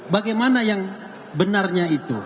bagaimana yang benarnya itu